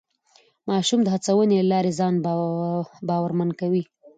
ماشومان د هڅونې له لارې ځان باورمن کوي